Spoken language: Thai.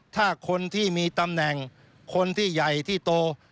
ถ้าคนที่มีตำแหน่งคนที่ใหญ่ที่โต